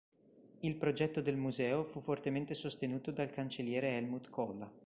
Il progetto del museo fu fortemente sostenuto dal cancelliere Helmut Kohl.